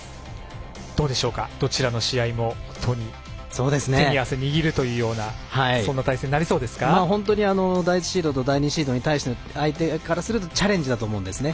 どうでしょうかどちらの試合も本当に手に汗握るというような本当に第１シードと第２シードに対して相手からするとチャレンジだと思うんですね。